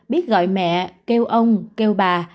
biết gọi mẹ kêu ông kêu bà